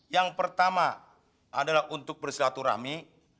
yang pertama adalah untuk bersilaturahmi